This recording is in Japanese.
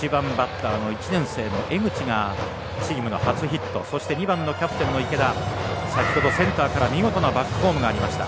１番バッターの１年生の江口がチームの初ヒットそして２番、キャプテンの池田先ほどセンターからの見事なバックホームがありました。